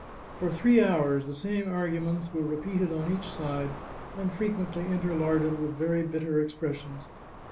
For three hours the same arguments were re peated on each side, and frequently interlarded with very bitter expressions.